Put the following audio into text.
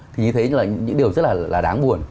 thì thấy những điều rất là đáng buồn